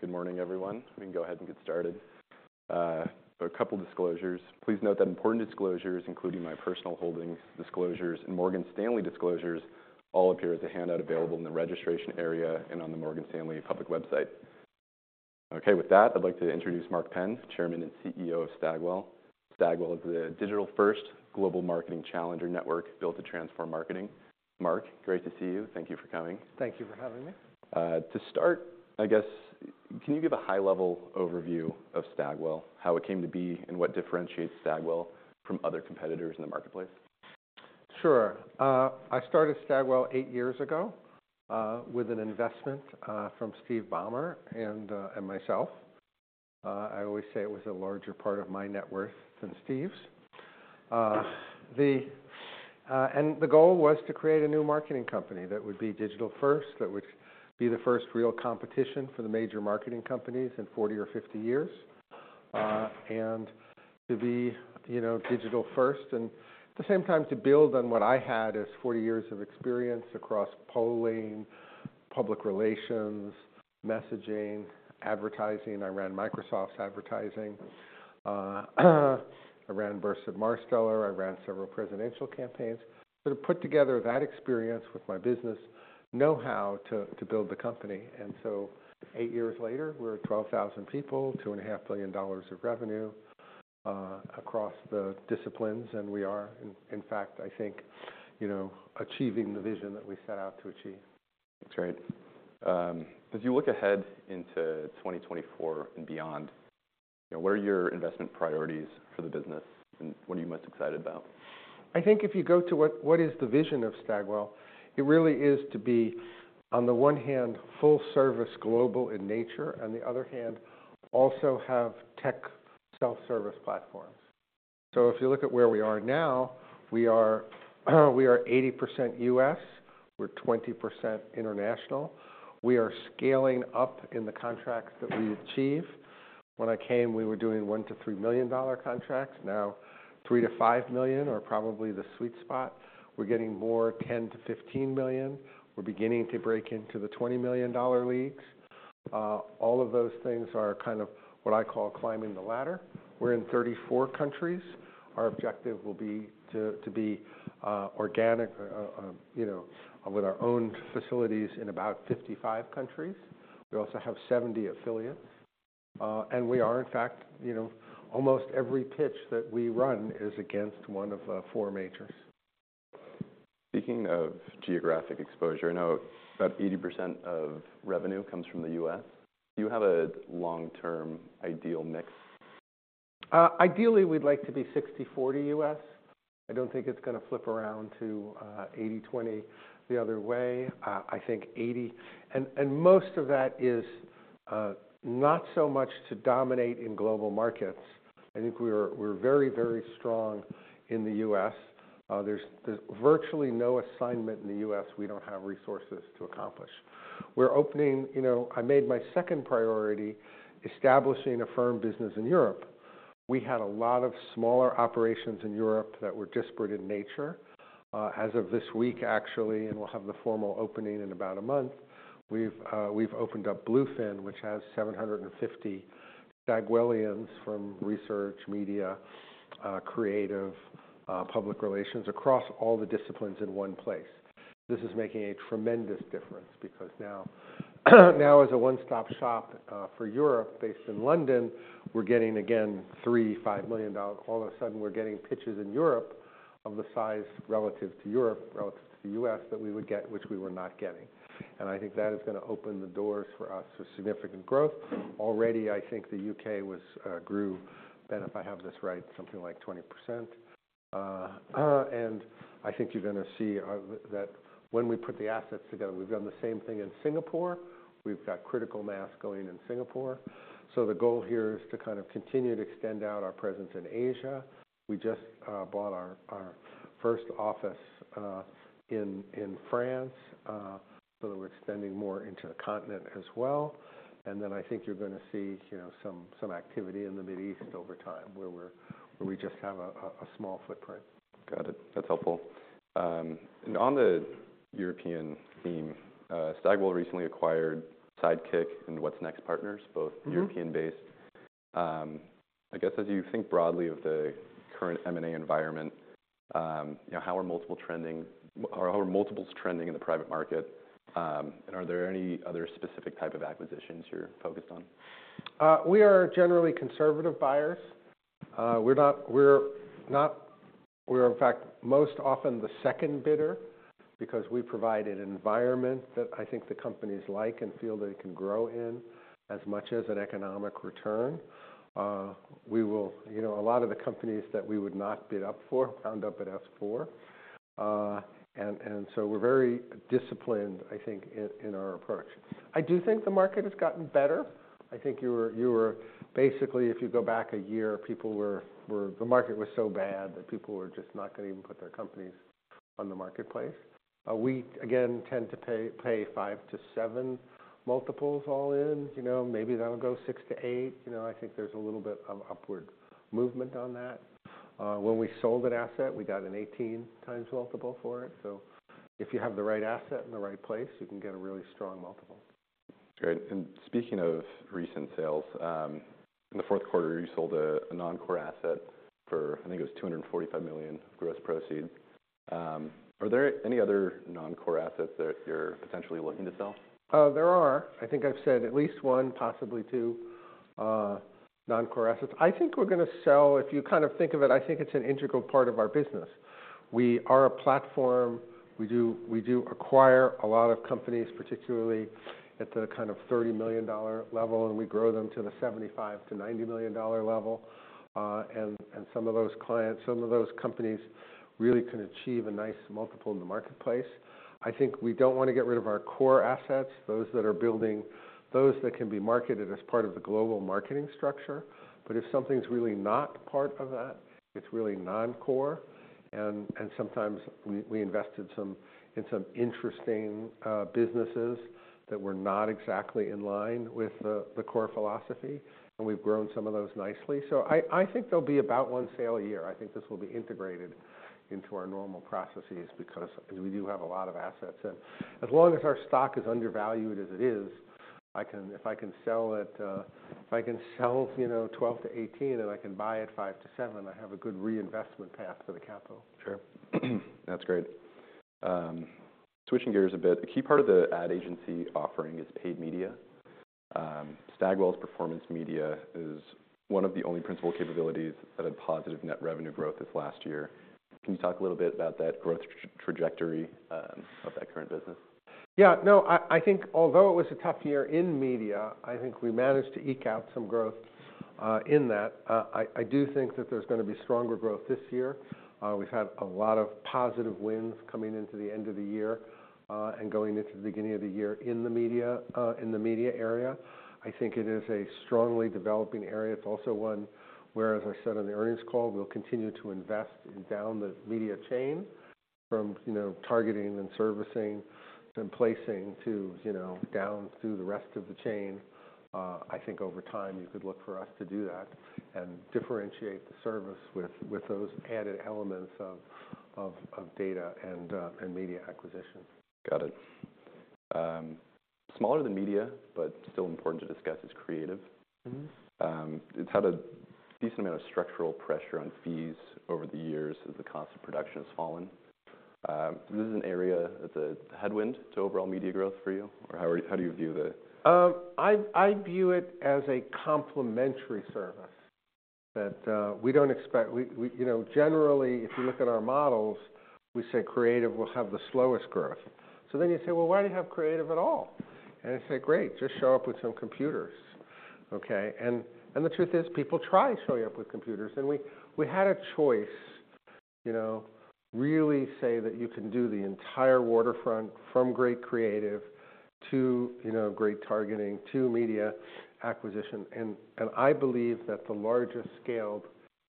Good morning, everyone. We can go ahead and get started. So a couple disclosures. Please note that important disclosures, including my personal holdings disclosures and Morgan Stanley disclosures, all appear at the handout available in the registration area and on the Morgan Stanley public website. Okay, with that, I'd like to introduce Mark Penn, Chairman and CEO of Stagwell. Stagwell is a digital-first global marketing challenger network built to transform marketing. Mark, great to see you. Thank you for coming. Thank you for having me. To start, I guess, can you give a high-level overview of Stagwell, how it came to be, and what differentiates Stagwell from other competitors in the marketplace? Sure. I started Stagwell 8 years ago with an investment from Steve Ballmer and myself. I always say it was a larger part of my net worth than Steve's. And the goal was to create a new marketing company that would be digital first, that would be the first real competition for the major marketing companies in 40 or 50 years. And to be, you know, digital first, and at the same time, to build on what I had as 40 years of experience across polling, public relations, messaging, advertising. I ran Microsoft's advertising. I ran Burson-Marsteller. I ran several presidential campaigns. So to put together that experience with my business know-how to build the company. And so eight years later, we're at 12,000 people, $2.5 billion of revenue, across the disciplines, and we are, in fact, I think, you know, achieving the vision that we set out to achieve. That's great. As you look ahead into 2024 and beyond, you know, what are your investment priorities for the business, and what are you most excited about? I think if you go to what is the vision of Stagwell, it really is to be, on the one hand, full service global in nature, on the other hand, also have tech self-service platforms. So if you look at where we are now, we are 80% U.S., we're 20% international. We are scaling up in the contracts that we achieve. When I came, we were doing $1 million-$3 million contracts. Now, $3 million-$5 million are probably the sweet spot. We're getting more 10 million-$15 million. We're beginning to break into the $20 million leagues. All of those things are kind of what I call climbing the ladder. We're in 34 countries. Our objective will be to be organic, you know, with our own facilities in about 55 countries. We also have 70 affiliates, and we are in fact, you know, almost every pitch that we run is against one of the four majors. Speaking of geographic exposure, I know about 80% of revenue comes from the US. Do you have a long-term ideal mix? Ideally, we'd like to be 60/40 U.S. I don't think it's going to flip around to 80/20 the other way. I think eighty And most of that is not so much to dominate in global markets. I think we're very, very strong in the U.S. There's virtually no assignment in the U.S. we don't have resources to accomplish. We're opening... You know, I made my second priority, establishing a firm business in Europe. We had a lot of smaller operations in Europe that were disparate in nature. As of this week, actually, and we'll have the formal opening in about a month, we've opened up Bluefin, which has 750 Stagwellians from research, media, creative, public relations, across all the disciplines in one place. This is making a tremendous difference because now, now as a one-stop shop, for Europe, based in London, we're getting, again, $3-$5 million... All of a sudden, we're getting pitches in Europe of the size relative to Europe, relative to the U.S., that we would get, which we were not getting. And I think that is going to open the doors for us to significant growth. Already, I think the U.K. was, grew, and if I have this right, something like 20%. And I think you're going to see, that when we put the assets together, we've done the same thing in Singapore. We've got critical mass going in Singapore. So the goal here is to kind of continue to extend out our presence in Asia. We just bought our first office in France, so we're extending more into the continent as well. And then I think you're gonna see, you know, some activity in the Middle East over time, where we just have a small footprint. Got it. That's helpful. On the European theme, Stagwell recently acquired Sidekick and What's Next Partners- Mm-hmm. -both European-based. I guess, as you think broadly of the current M&A environment, you know, how are multiple trending, or how are multiples trending in the private market? And are there any other specific type of acquisitions you're focused on? We are generally conservative buyers. We're not. We're, in fact, most often the second bidder because we provide an environment that I think the companies like and feel they can grow in as much as an economic return. You know, a lot of the companies that we would not bid up for end up at us for. And so we're very disciplined, I think, in our approach. I do think the market has gotten better. I think basically, if you go back a year, the market was so bad that people were just not going to even put their companies on the marketplace. We again tend to pay 5-7x all in. You know, maybe that'll go 6x-8x. You know, I think there's a little bit of upward movement on that. When we sold an asset, we got an 18x multiple for it, so if you have the right asset in the right place, you can get a really strong multiple. Great. And speaking of recent sales, in the fourth quarter, you sold a non-core asset for, I think it was $245 million gross proceeds. Are there any other non-core assets that you're potentially looking to sell? There are. I think I've said at least one, possibly two, non-core assets. I think we're gonna sell. If you kind of think of it, I think it's an integral part of our business. We are a platform. We do, we do acquire a lot of companies, particularly at the kind of $30 million level, and we grow them to the $75 million-$90 million level. And some of those clients, some of those companies really can achieve a nice multiple in the marketplace. I think we don't want to get rid of our core assets, those that are building, those that can be marketed as part of the global marketing structure. But if something's really not part of that, it's really non-core, and sometimes we invest in some interesting businesses that were not exactly in line with the core philosophy, and we've grown some of those nicely. So I think there'll be about one sale a year. I think this will be integrated into our normal processes because we do have a lot of assets, and as long as our stock is undervalued as it is, I can, if I can sell it, if I can sell, you know, $12-$18, and I can buy at $5-$7, I have a good reinvestment path for the capital. Sure. That's great. Switching gears a bit. A key part of the ad agency offering is paid media. Stagwell's performance media is one of the only principal capabilities that had positive net revenue growth this last year. Can you talk a little bit about that growth trajectory of that current business? Yeah, no, I think although it was a tough year in media, I think we managed to eke out some growth in that. I do think that there's gonna be stronger growth this year. We've had a lot of positive wins coming into the end of the year and going into the beginning of the year in the media area. I think it is a strongly developing area. It's also one where, as I said on the earnings call, we'll continue to invest down the media chain from, you know, targeting and servicing and placing to, you know, down through the rest of the chain. I think over time, you could look for us to do that and differentiate the service with those added elements of data and media acquisition. Got it. Smaller than media, but still important to discuss, is creative. Mm-hmm. It's had a decent amount of structural pressure on fees over the years as the cost of production has fallen. Is this an area that's a headwind to overall media growth for you, or how would you- how do you view that? I view it as a complementary service that we don't expect... We, you know—Generally, if you look at our models, we say creative will have the slowest growth. So then you say, "Well, why do you have creative at all?" And I say, "Great, just show up with some computers." Okay, and the truth is, people try to show up with computers, and we had a choice, you know, really say that you can do the entire waterfront, from great creative to, you know, great targeting to media acquisition. And I believe that the largest scaled,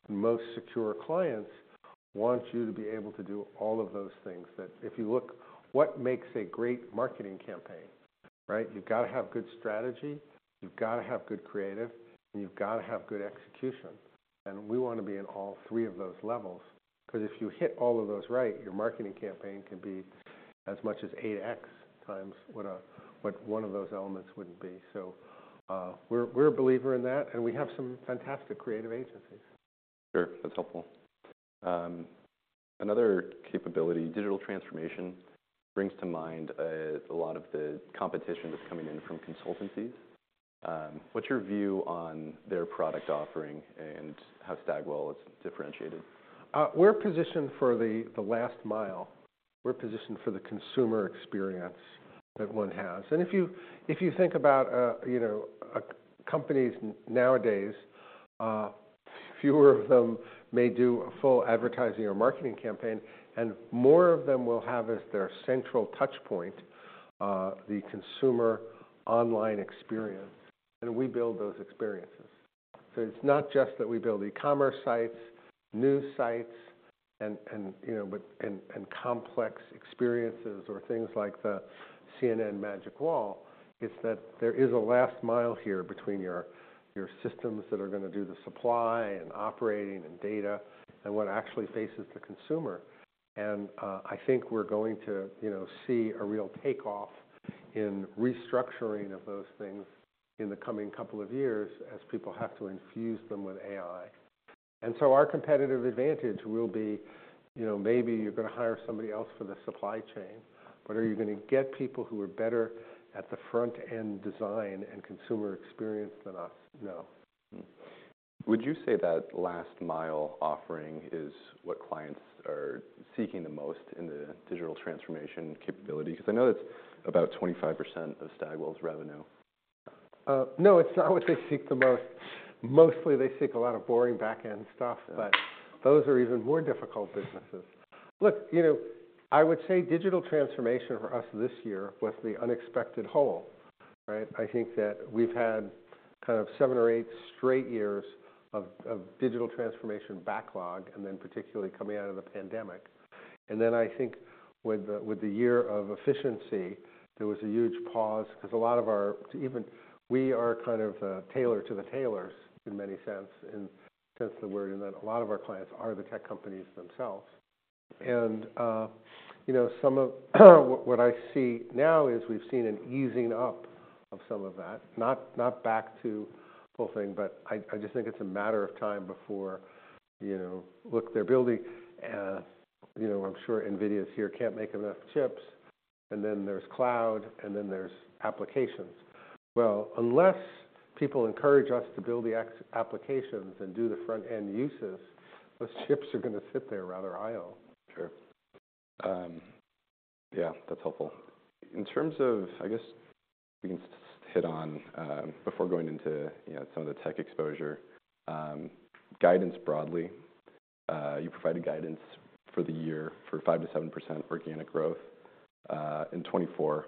most secure clients want you to be able to do all of those things. That if you look what makes a great marketing campaign, right? You've got to have good strategy, you've got to have good creative, and you've got to have good execution, and we want to be in all three of those levels. 'Cause if you hit all of those right, your marketing campaign can be as much as 8x times what one of those elements would be. So, we're a believer in that, and we have some fantastic creative agencies. Sure. That's helpful. Another capability, digital transformation, brings to mind a lot of the competition that's coming in from consultancies. What's your view on their product offering and how Stagwell is differentiated? We're positioned for the last mile. We're positioned for the consumer experience that one has. If you think about, you know, a company's nowadays, fewer of them may do a full advertising or marketing campaign, and more of them will have, as their central touch point, the consumer online experience, and we build those experiences. It's not just that we build e-commerce sites, news sites, and complex experiences or things like the CNN Magic Wall. It's that there is a last mile here between your systems that are gonna do the supply and operating and data and what actually faces the consumer. I think we're going to, you know, see a real takeoff in restructuring of those things in the coming couple of years as people have to infuse them with AI. And so our competitive advantage will be, you know, maybe you're gonna hire somebody else for the supply chain, but are you gonna get people who are better at the front-end design and consumer experience than us? No. Mm-hmm. Would you say that last mile offering is what clients are seeking the most in the digital transformation capability? Because I know it's about 25% of Stagwell's revenue. No, it's not what they seek the most. Mostly, they seek a lot of boring back-end stuff- Yeah... but those are even more difficult businesses. Look, you know, I would say Digital Transformation for us this year was the unexpected hole, right? I think that we've had kind of seven or eight straight years of Digital Transformation backlog, and then particularly coming out of the pandemic. Then I think with the year of efficiency, there was a huge pause because a lot of our—even we are kind of a tailor to the tailors in the sense of the word, in that a lot of our clients are the tech companies themselves. And, you know, some of what I see now is we've seen an easing up of some of that, not back to the whole thing, but I just think it's a matter of time before, you know... Look, they're building, you know, I'm sure NVIDIA's here can't make enough chips, and then there's cloud, and then there's applications. Well, unless people encourage us to build the ex- applications and do the front-end uses, those chips are gonna sit there rather idle. Sure. Yeah, that's helpful. In terms of—I guess, we can just hit on, before going into, you know, some of the tech exposure, guidance broadly. You provided guidance for the year for 5-7% organic growth, in 2024,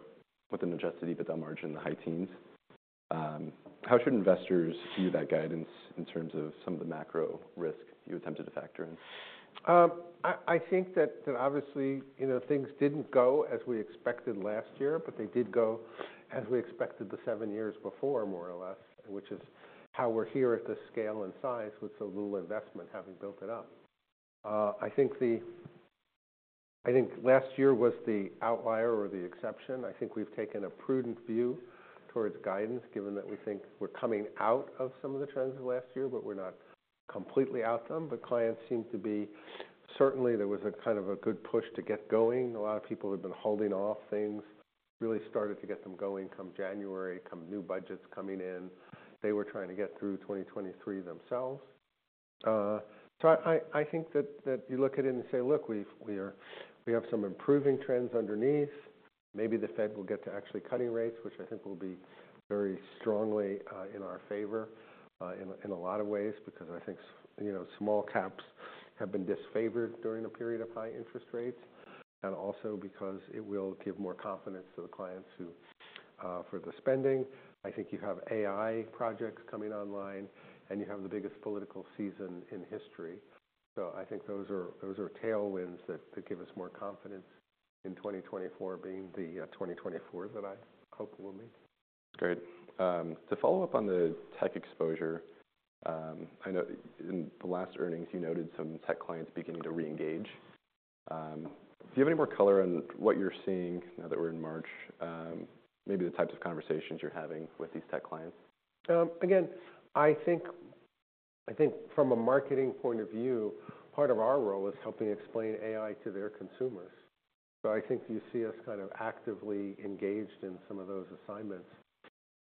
with an Adjusted EBITDA margin in the high teens. How should investors view that guidance in terms of some of the macro risk you attempted to factor in? I think that obviously, you know, things didn't go as we expected last year, but they did go as we expected the seven years before, more or less, which is how we're here at this scale and size with so little investment, having built it up. I think last year was the outlier or the exception. I think we've taken a prudent view towards guidance, given that we think we're coming out of some of the trends of last year, but we're not completely out of them. But clients seem to be... Certainly, there was a kind of a good push to get going. A lot of people who had been holding off things, really started to get them going come January, come new budgets coming in. They were trying to get through 2023 themselves. I think that you look at it and say, "Look, we have some improving trends underneath." Maybe the Fed will get to actually cutting rates, which I think will be very strongly in our favor in a lot of ways, because I think you know, small caps have been disfavored during a period of high interest rates, and also because it will give more confidence to the clients who for the spending. I think you have AI projects coming online, and you have the biggest political season in history. So I think those are tailwinds that give us more confidence in 2024 being the 2024 that I hope it will be. Great. To follow up on the tech exposure, I know in the last earnings, you noted some tech clients beginning to reengage. Do you have any more color on what you're seeing now that we're in March, maybe the types of conversations you're having with these tech clients? Again, I think, I think from a marketing point of view, part of our role is helping explain AI to their consumers. So I think you see us kind of actively engaged in some of those assignments,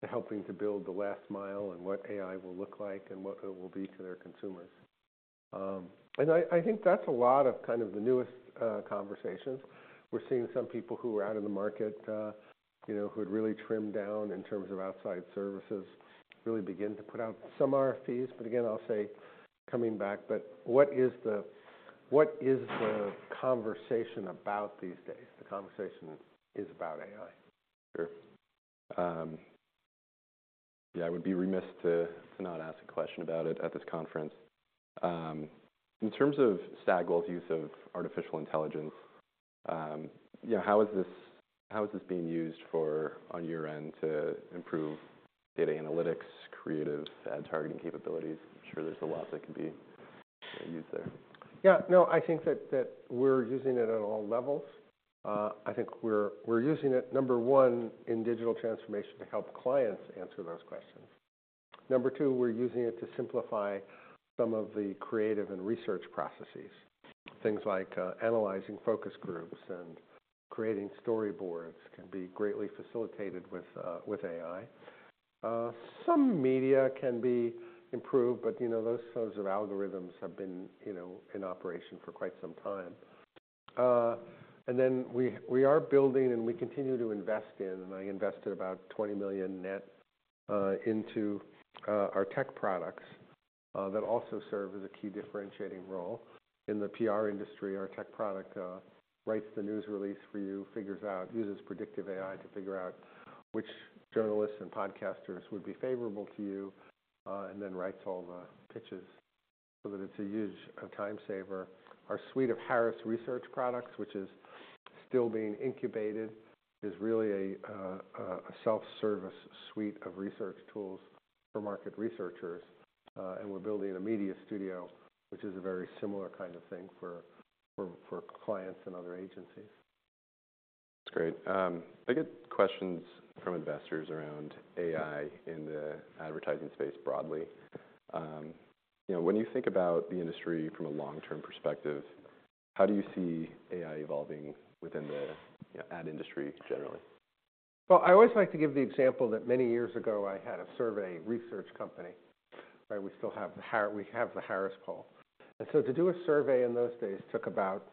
to helping to build the last mile, and what AI will look like, and what it will be to their consumers. And I, I think that's a lot of kind of the newest conversations. We're seeing some people who are out of the market, you know, who had really trimmed down in terms of outside services, really begin to put out some RFPs, but again, I'll say, coming back. But what is the, what is the conversation about these days? The conversation is about AI. Sure. Yeah, I would be remiss to not ask a question about it at this conference. In terms of Stagwell's use of artificial intelligence, you know, how is this, how is this being used for, on your end, to improve data analytics, creative ad targeting capabilities? I'm sure there's a lot that can be used there. Yeah. No, I think that we're using it at all levels. I think we're using it, number 1, in digital transformation to help clients answer those questions. Number 2, we're using it to simplify some of the creative and research processes. Things like analyzing focus groups and creating storyboards can be greatly facilitated with AI. Some media can be improved, but you know, those sorts of algorithms have been you know in operation for quite some time. And then we are building, and we continue to invest in, and I invested about $20 million net into our tech products that also serve as a key differentiating role. In the PR industry, our tech product writes the news release for you, uses predictive AI to figure out which journalists and podcasters would be favorable to you, and then writes all the pitches. So that it's a huge time saver. Our suite of Harris Research products, which is still being incubated, is really a self-service suite of research tools for market researchers, and we're building a media studio, which is a very similar kind of thing for clients and other agencies. That's great. I get questions from investors around AI in the advertising space broadly. You know, when you think about the industry from a long-term perspective, how do you see AI evolving within the, you know, ad industry generally? Well, I always like to give the example that many years ago I had a survey research company, right? We still have the Harris Poll. And so to do a survey in those days took about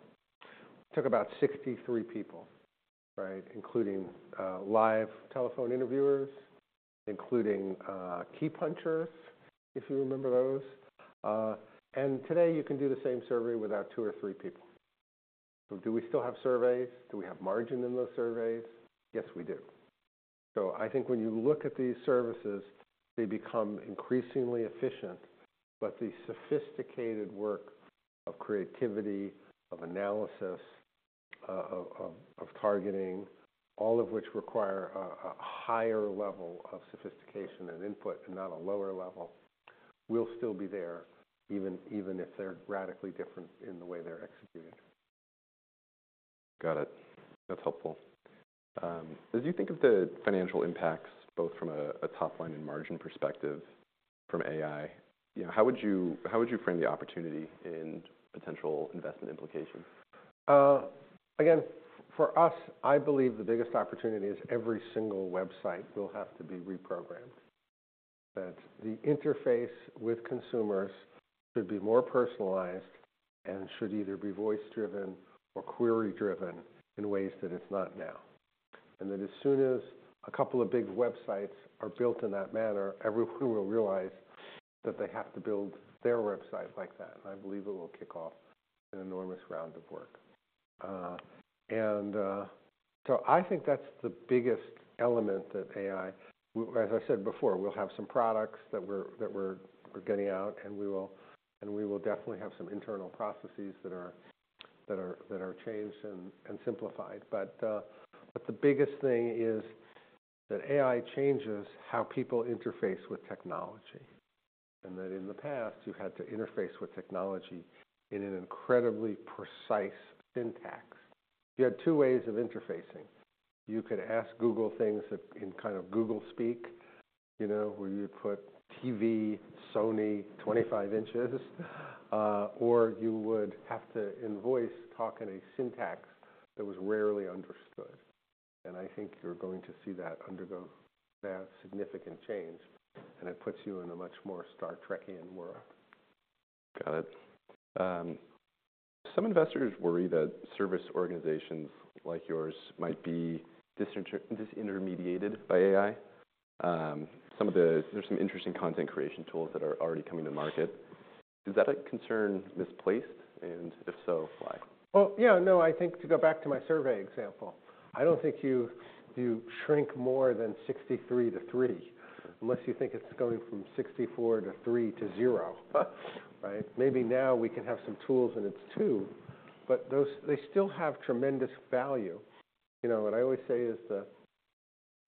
63 people, right? Including, live telephone interviewers, including, key punchers, if you remember those. And today you can do the same survey without 2 or 3 people. So do we still have surveys? Do we have margin in those surveys? Yes, we do. So I think when you look at these services, they become increasingly efficient, but the sophisticated work of creativity, of analysis, of targeting, all of which require a higher level of sophistication and input, and not a lower level, will still be there, even if they're radically different in the way they're executed. Got it. That's helpful. As you think of the financial impacts, both from a top line and margin perspective from AI, you know, how would you frame the opportunity and potential investment implications? Again, for us, I believe the biggest opportunity is every single website will have to be reprogrammed. That the interface with consumers should be more personalized and should either be voice-driven or query-driven in ways that it's not now. And that as soon as a couple of big websites are built in that manner, we will realize that they have to build their website like that, and I believe it will kick off an enormous round of work. So I think that's the biggest element of AI. As I said before, we'll have some products that we're getting out, and we will definitely have some internal processes that are changed and simplified. But the biggest thing is that AI changes how people interface with technology, and that in the past, you've had to interface with technology in an incredibly precise syntax. You had two ways of interfacing. You could ask Google things at, in kind of Google speak, you know, where you'd put TV, Sony, 25 inches. Or you would have to, in voice, talk in a syntax that was rarely understood, and I think you're going to see that undergo a significant change, and it puts you in a much more Star Trek-ian world. Got it. Some investors worry that service organizations like yours might be disintermediated by AI. Some of the... There's some interesting content creation tools that are already coming to market. Is that a concern misplaced, and if so, why? Well, yeah, no, I think to go back to my survey example, I don't think you, you shrink more than 63 to 3, unless you think it's going from 64 to 3 to 0, right? Maybe now we can have some tools, and it's 2, but those, they still have tremendous value. You know, what I always say is the,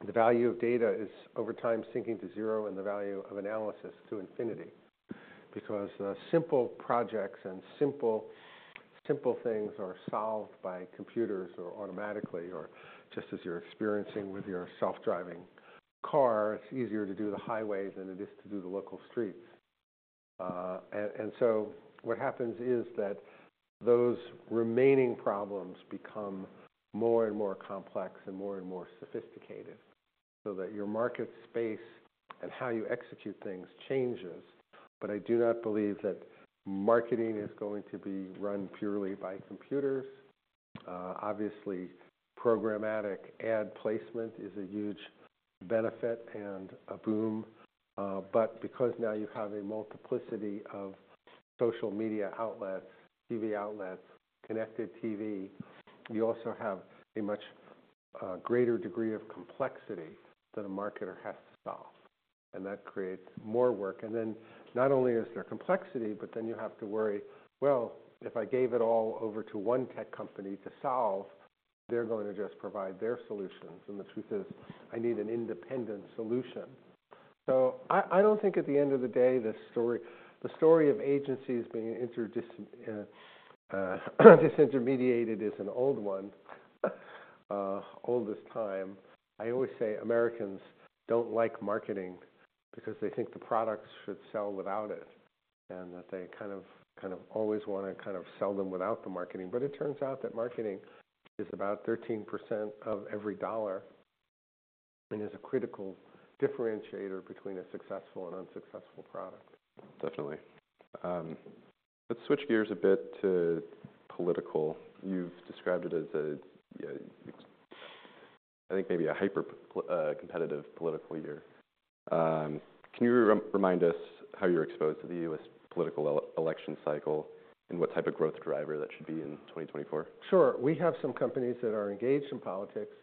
the value of data is, over time, sinking to 0, and the value of analysis to infinity. Because simple projects and simple, simple things are solved by computers, or automatically, or just as you're experiencing with your self-driving car, it's easier to do the highway than it is to do the local streets. And so what happens is that those remaining problems become more and more complex and more and more sophisticated, so that your market space and how you execute things changes. But I do not believe that marketing is going to be run purely by computers. Obviously, programmatic ad placement is a huge benefit and a boom, but because now you have a multiplicity of social media outlets, TV outlets, connected TV, you also have a much greater degree of complexity that a marketer has to solve, and that creates more work. And then not only is there complexity, but then you have to worry, well, if I gave it all over to one tech company to solve, they're going to just provide their solutions, and the truth is, I need an independent solution. So I don't think at the end of the day, the story, the story of agencies being disintermediated is an old one, old as time. I always say Americans don't like marketing because they think the products should sell without it, and that they kind of always wanna kind of sell them without the marketing. But it turns out that marketing is about 13% of every dollar and is a critical differentiator between a successful and unsuccessful product. Definitely. Let's switch gears a bit to political. You've described it as a, I think maybe a hyper competitive political year. Can you remind us how you're exposed to the U.S. political election cycle, and what type of growth driver that should be in 2024? Sure. We have some companies that are engaged in politics,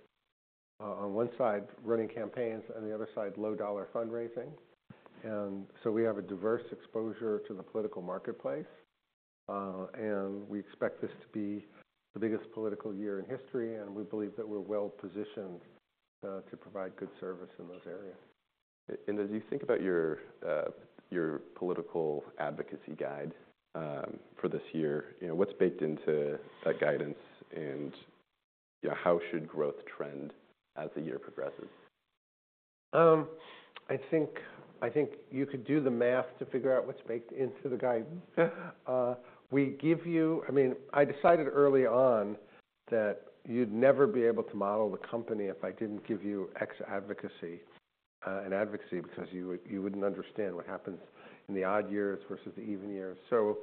on one side, running campaigns, and on the other side, low dollar fundraising. And so we have a diverse exposure to the political marketplace, and we expect this to be the biggest political year in history, and we believe that we're well positioned, to provide good service in those areas. As you think about your political advocacy guide for this year, you know, what's baked into that guidance? And, you know, how should growth trend as the year progresses? I think, I think you could do the math to figure out what's baked into the guidance. We give you... I mean, I decided early on that you'd never be able to model the company if I didn't give you ex advocacy, and advocacy, because you would, you wouldn't understand what happens in the odd years versus the even years. So,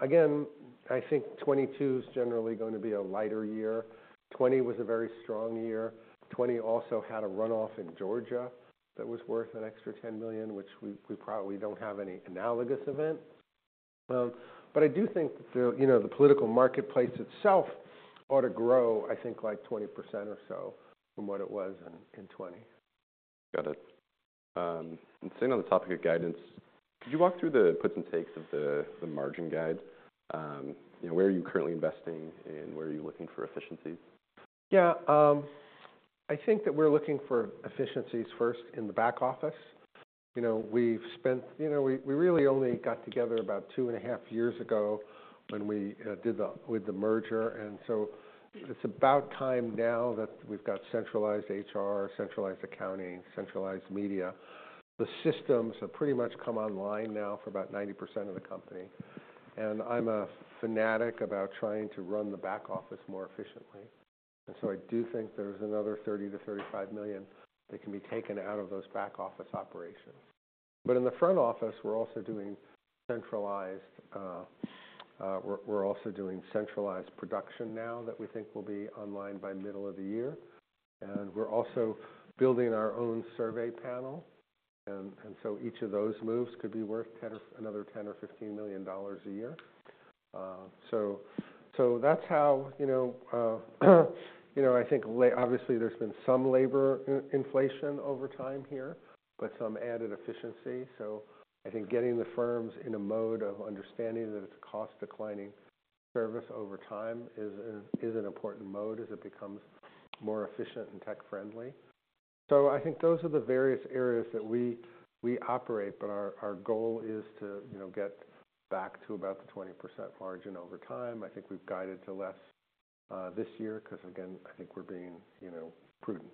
again, I think 2022 is generally going to be a lighter year. 2020 was a very strong year. 2020 also had a runoff in Georgia that was worth an extra $10 million, which we probably don't have any analogous event. But I do think that the, you know, the political marketplace itself ought to grow, I think, like 20% or so from what it was in, in 2020.... Got it. And staying on the topic of guidance, could you walk through the puts and takes of the margin guide? You know, where are you currently investing, and where are you looking for efficiencies? Yeah, I think that we're looking for efficiencies first in the back office. You know, we really only got together about 2.5 years ago when we did the merger, and so it's about time now that we've got centralized HR, centralized accounting, centralized media. The systems have pretty much come online now for about 90% of the company, and I'm a fanatic about trying to run the back office more efficiently. And so I do think there's another $30 million-$35 million that can be taken out of those back office operations. But in the front office, we're also doing centralized production now, that we think will be online by middle of the year. We're also building our own survey panel, so each of those moves could be worth $10 or another $10 or $15 million a year. So that's how, you know, I think obviously there's been some labor inflation over time here, but some added efficiency. So I think getting the firms in a mode of understanding that it's a cost-declining service over time is an important mode, as it becomes more efficient and tech-friendly. So I think those are the various areas that we operate, but our goal is to, you know, get back to about the 20% margin over time. I think we've guided to less, this year, 'cause again, I think we're being, you know, prudent.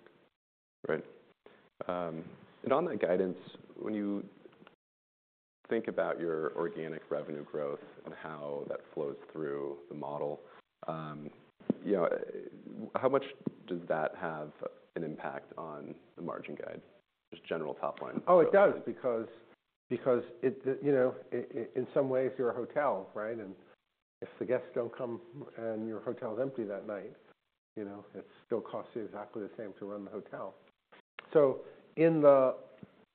Right. And on that guidance, when you think about your organic revenue growth and how that flows through the model, you know, how much does that have an impact on the margin guide? Just general top line. Oh, it does, because, because it, you know, in some ways you're a hotel, right? And if the guests don't come and your hotel is empty that night, you know, it still costs you exactly the same to run the hotel. So in the...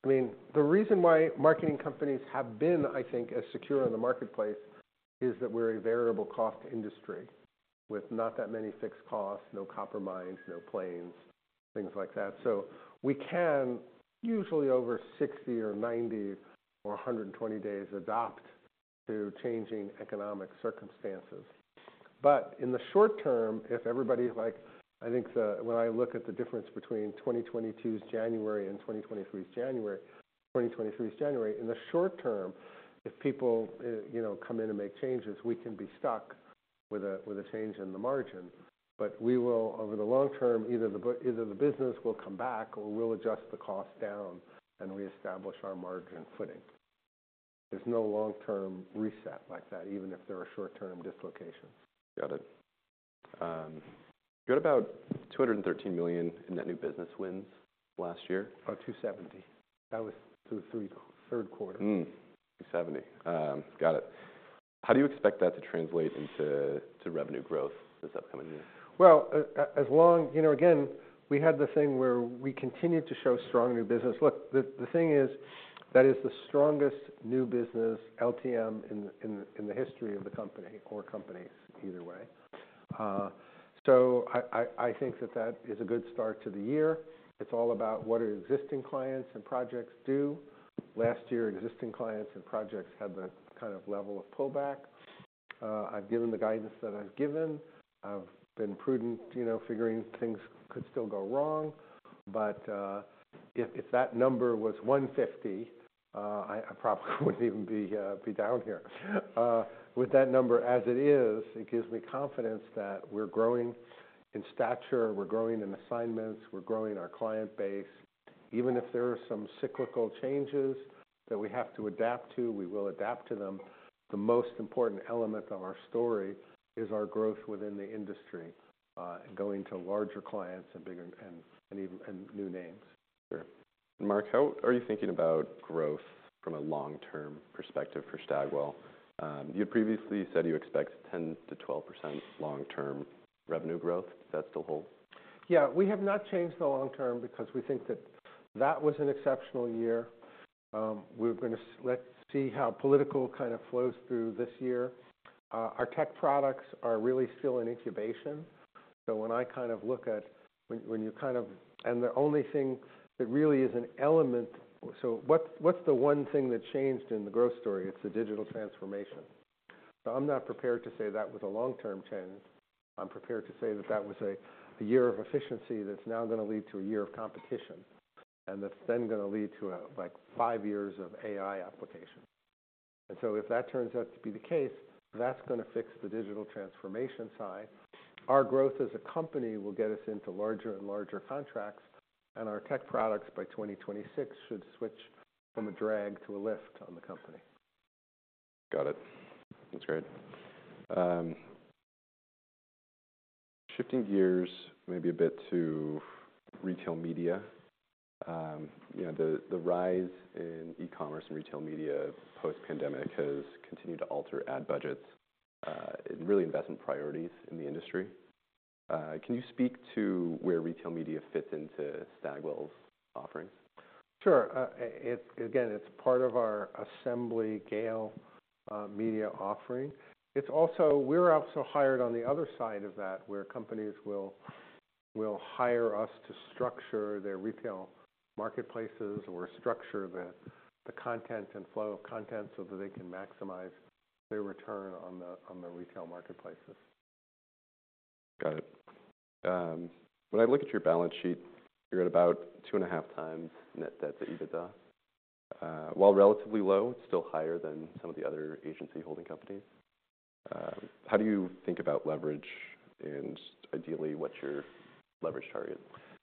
I mean, the reason why marketing companies have been, I think, as secure in the marketplace, is that we're a variable cost industry with not that many fixed costs, no copper mines, no planes, things like that. So we can usually over 60 or 90 or 120 days, adapt to changing economic circumstances. But in the short term, if everybody, like... I think when I look at the difference between 2022's January and 2023's January, 2023's January, in the short term, if people, you know, come in and make changes, we can be stuck with a, with a change in the margin. But we will, over the long-term, either the business will come back or we'll adjust the cost down and reestablish our margin footing. There's no long-term reset like that, even if there are short-term dislocations. Got it. You had about $213 million in net new business wins last year? $270. That was through 3, third quarter. 270. Got it. How do you expect that to translate into, to revenue growth this upcoming year? Well,... You know, again, we had the thing where we continued to show strong new business. Look, the thing is, that is the strongest new business LTM in the history of the company or companies, either way. So, I think that that is a good start to the year. It's all about what do existing clients and projects do. Last year, existing clients and projects had the kind of level of pullback. I've given the guidance that I've given. I've been prudent, you know, figuring things could still go wrong. But, if that number was $150, I probably wouldn't even be down here. With that number as it is, it gives me confidence that we're growing in stature, we're growing in assignments, we're growing our client base. Even if there are some cyclical changes that we have to adapt to, we will adapt to them. The most important element of our story is our growth within the industry, and going to larger clients and bigger and, and even, and new names. Sure. Mark, how are you thinking about growth from a long-term perspective for Stagwell? You previously said you expect 10%-12% long-term revenue growth. Does that still hold? Yeah, we have not changed the long-term because we think that that was an exceptional year. We're gonna, let's see how political kind of flows through this year. Our tech products are really still in incubation. So when I kind of look at... And the only thing that really is an element. So what's the one thing that changed in the growth story? It's the digital transformation. So I'm not prepared to say that was a long-term change. I'm prepared to say that that was a year of efficiency that's now gonna lead to a year of competition, and that's then gonna lead to a, like, five years of AI application. And so if that turns out to be the case, that's gonna fix the digital transformation side. Our growth as a company will get us into larger and larger contracts, and our tech products by 2026 should switch from a drag to a lift on the company. Got it. That's great. Shifting gears maybe a bit to retail media. You know, the rise in e-commerce and retail media post-pandemic has continued to alter ad budgets, and really investment priorities in the industry. Can you speak to where retail media fits into Stagwell's offerings?... Sure. It again, it's part of our Assembly Gale media offering. It's also. We're also hired on the other side of that, where companies will hire us to structure their retail marketplaces or structure the content and flow of content so that they can maximize their return on the retail marketplaces. Got it. When I look at your balance sheet, you're at about 2.5 times net debt to EBITDA. While relatively low, it's still higher than some of the other agency holding companies. How do you think about leverage, and ideally, what's your leverage target?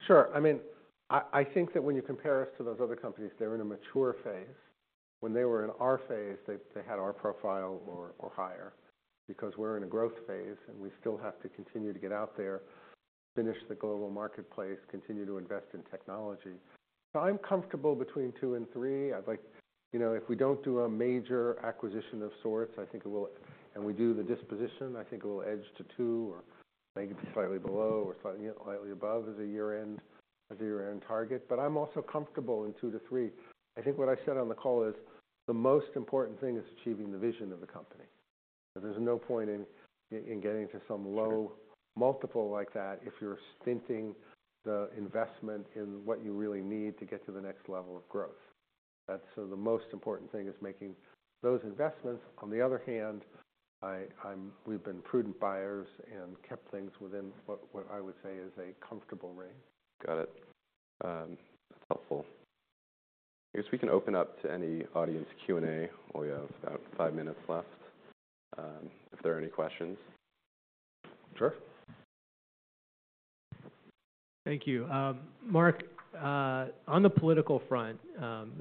Sure. I mean, I, I think that when you compare us to those other companies, they're in a mature phase. When they were in our phase, they, they had our profile or, or higher because we're in a growth phase, and we still have to continue to get out there, finish the global marketplace, continue to invest in technology. I'm comfortable between two and three. I'd like... You know, if we don't do a major acquisition of sorts, I think it will-- And we do the disposition, I think it will edge to two or maybe slightly below or slightly above as a year-end, as a year-end target. But I'm also comfortable in two to three. I think what I said on the call is, the most important thing is achieving the vision of the company. There's no point in getting to some low multiple like that if you're stinting the investment in what you really need to get to the next level of growth. So the most important thing is making those investments. On the other hand, we've been prudent buyers and kept things within what I would say is a comfortable range. Got it. That's helpful. I guess we can open up to any audience Q&A. We have about five minutes left, if there are any questions. Sure. Thank you. Mark, on the political front,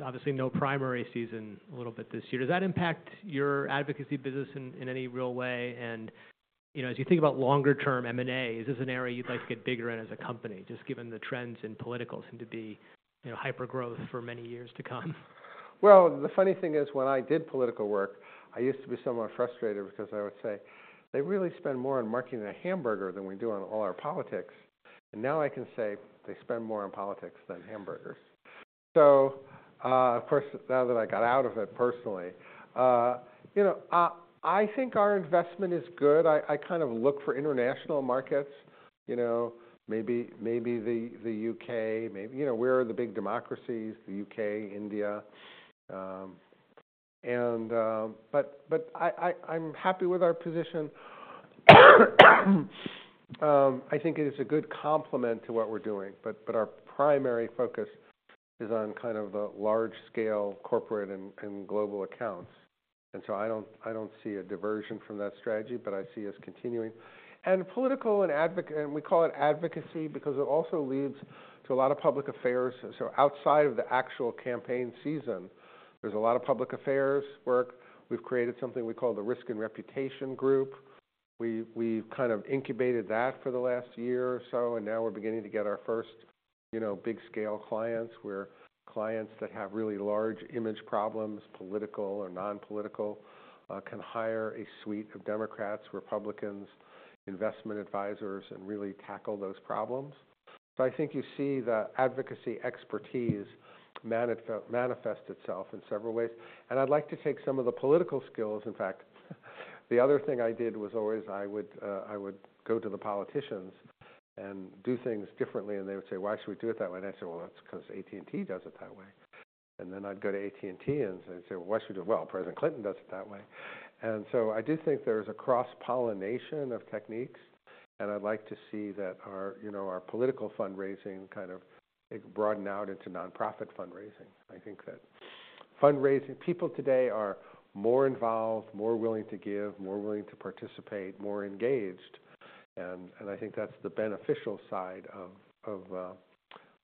obviously, no primary season a little bit this year. Does that impact your advocacy business in any real way? And, you know, as you think about longer-term M&A, is this an area you'd like to get bigger in as a company, just given the trends in political seem to be, you know, hyper growth for many years to come? Well, the funny thing is, when I did political work, I used to be somewhat frustrated because I would say: "They really spend more on marketing a hamburger than we do on all our politics." And now I can say: "They spend more on politics than hamburgers." So, of course, now that I got out of it personally, you know, I think our investment is good. I kind of look for international markets, you know, maybe, maybe the, the U.K., maybe... You know, where are the big democracies? The U.K., India. I'm happy with our position. I think it is a good complement to what we're doing, but our primary focus is on kind of the large-scale corporate and global accounts. And so I don't, I don't see a diversion from that strategy, but I see us continuing. And political, and we call it advocacy because it also leads to a lot of public affairs. So outside of the actual campaign season, there's a lot of public affairs work. We've created something we call the Risk and Reputation Group. We, we've kind of incubated that for the last year or so, and now we're beginning to get our first, you know, big scale clients, where clients that have really large image problems, political or non-political, can hire a suite of Democrats, Republicans, investment advisors, and really tackle those problems. So I think you see the advocacy expertise manifest itself in several ways. And I'd like to take some of the political skills... In fact, the other thing I did was always I would, I would go to the politicians and do things differently, and they would say: "Why should we do it that way?" And I'd say, "Well, that's 'cause AT&T does it that way." And then I'd go to AT&T and say, "Why should we do it?" "Well, President Clinton does it that way." And so I do think there's a cross-pollination of techniques, and I'd like to see that our, you know, our political fundraising kind of broaden out into nonprofit fundraising. I think that fundraising, people today are more involved, more willing to give, more willing to participate, more engaged, and, and I think that's the beneficial side of, of,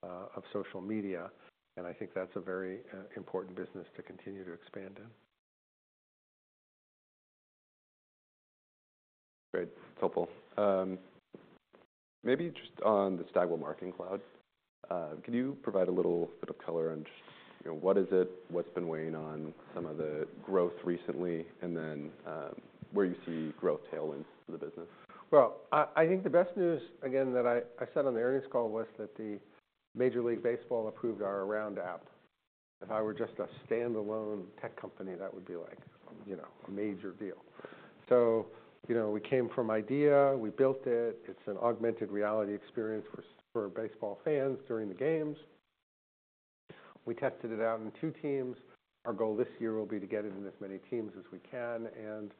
of social media. And I think that's a very, important business to continue to expand in. Great. Helpful. Maybe just on the Stagwell Marketing Cloud, can you provide a little bit of color on just, you know, what is it, what's been weighing on some of the growth recently, and then, where you see growth tailwinds in the business? Well, I think the best news, again, that I said on the earnings call was that the Major League Baseball approved our ARound app. If I were just a standalone tech company, that would be like, you know, a major deal. So, you know, we came from idea, we built it. It's an augmented reality experience for baseball fans during the games. We tested it out in two teams. Our goal this year will be to get it in as many teams as we can, and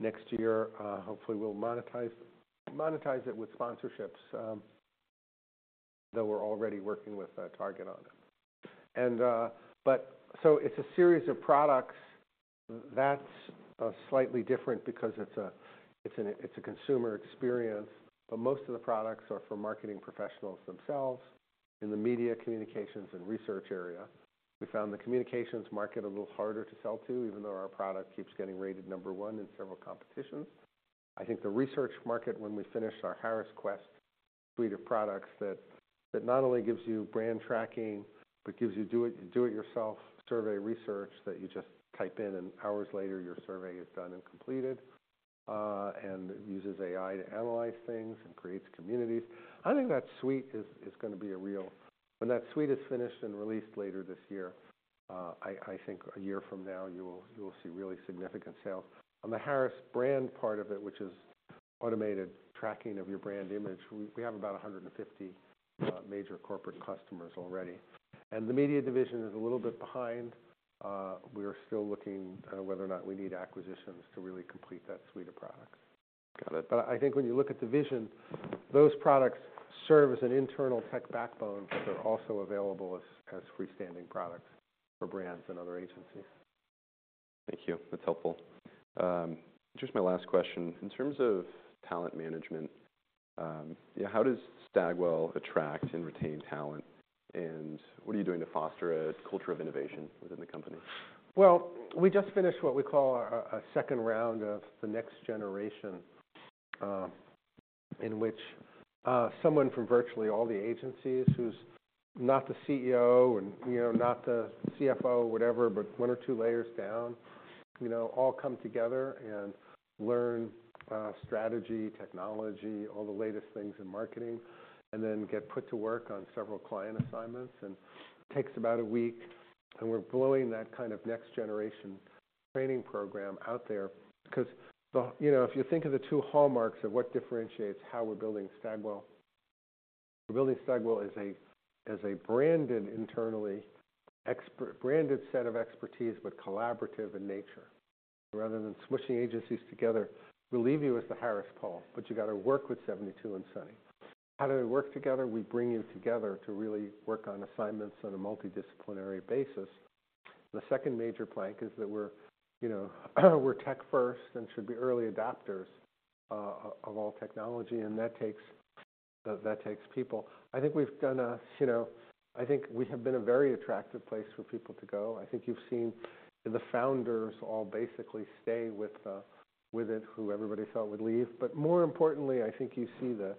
next year, hopefully, we'll monetize it with sponsorships, though we're already working with Target on it. But so it's a series of products that's slightly different because it's a consumer experience. But most of the products are for marketing professionals themselves in the media, communications, and research area. We found the communications market a little harder to sell to, even though our product keeps getting rated number one in several competitions. I think the research market, when we finish our Harris Quest suite of products, that not only gives you brand tracking, but gives you do-it-yourself survey research that you just type in and hours later, your survey is done and completed, and uses AI to analyze things and creates communities. I think that suite is gonna be a real one. When that suite is finished and released later this year, I think a year from now, you will see really significant sales. On the Harris brand part of it, which is automated tracking of your brand image, we have about 150 major corporate customers already, and the media division is a little bit behind. We are still looking at whether or not we need acquisitions to really complete that suite of products. Got it. But I think when you look at the vision, those products serve as an internal tech backbone, but they're also available as freestanding products for brands and other agencies. Thank you. That's helpful. Just my last question: In terms of talent management, you know, how does Stagwell attract and retain talent? What are you doing to foster a culture of innovation within the company? Well, we just finished what we call a second round of the next generation, in which someone from virtually all the agencies who's not the CEO and, you know, not the CFO, whatever, but one or two layers down, you know, all come together and learn strategy, technology, all the latest things in marketing, and then get put to work on several client assignments, and takes about a week. And we're blowing that kind of next generation training program out there 'cause the. You know, if you think of the two hallmarks of what differentiates how we're building Stagwell, we're building Stagwell as a branded, internally expert branded set of expertise, but collaborative in nature. Rather than smushing agencies together, we'll leave you with the Harris Poll, but you gotta work with 72andSunny. How do they work together? We bring you together to really work on assignments on a multidisciplinary basis. The second major plank is that we're, you know, we're tech first and should be early adopters of all technology, and that takes people. I think we've done a... You know, I think we have been a very attractive place for people to go. I think you've seen the founders all basically stay with it, who everybody thought would leave. But more importantly, I think you see the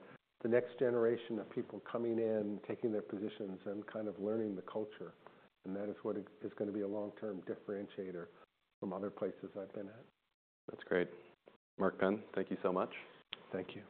next generation of people coming in, taking their positions, and kind of learning the culture, and that is what is gonna be a long-term differentiator from other places I've been at. That's great. Mark Penn, thank you so much. Thank you.